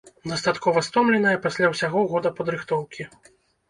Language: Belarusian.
Дастаткова стомленая пасля ўсяго года падрыхтоўкі.